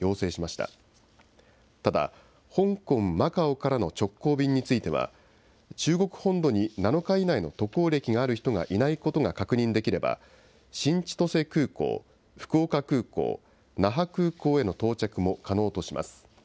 ただ、香港・マカオからの直行便については、中国本土に７日以内の渡航歴がある人がいないことが確認できれば、新千歳空港、福岡空港、那覇空港への到着も可能とします。